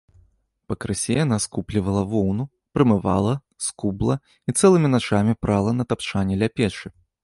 Пакрысе яна скуплівала воўну, прамывала, скубла і цэлымі начамі прала на тапчане ля печы.